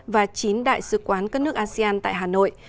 và chín đại sứ quán các nước asean tại hà nội